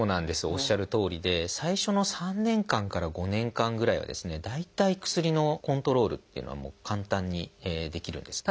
おっしゃるとおりで最初の３年間から５年間ぐらいは大体薬のコントロールっていうのは簡単にできるんです。